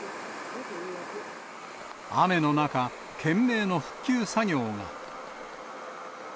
雨の中、懸命の復旧作業が。